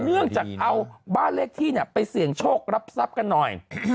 เนื่องจากเอาบ้านเลขที่ไปเสี่ยงโชครับทรัพย์กันหน่อย